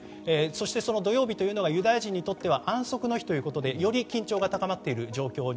そして、土曜日というのはユダヤ人にとっては安息の日ということでより緊張が高まっています。